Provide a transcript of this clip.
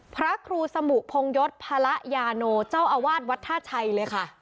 พระครูสมุพงยศพระยาโนเจ้าอาวาสวัดท่าชัยเลยค่ะ